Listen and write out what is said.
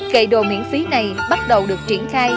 kề đồ miễn phí này bắt đầu được triển khai